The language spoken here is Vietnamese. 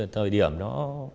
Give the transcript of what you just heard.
thời điểm nó